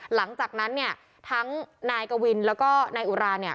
หลังจากนั้นเนี่ยทั้งนายกวินแล้วก็นายอุราเนี่ย